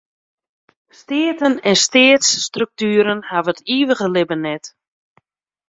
Steaten en steatsstruktueren hawwe it ivige libben net.